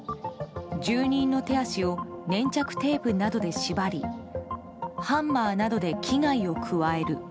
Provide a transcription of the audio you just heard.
住人の手足を粘着テープなどで縛りハンマーなどで危害を加える。